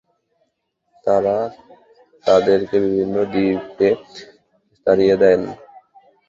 তারা তাদেরকে বিভিন্ন দ্বীপে তাড়িয়ে দেন।